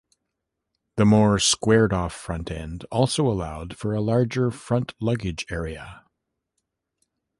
The more squared-off front end also allowed for a larger front luggage area.